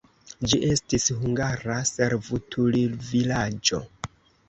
Ĝi estis hungara servutulvilaĝo.